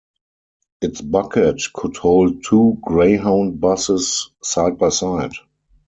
Its bucket could hold two Greyhound buses side by side.